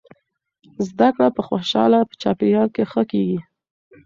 زده کړه په خوشحاله چاپیریال کې ښه کیږي.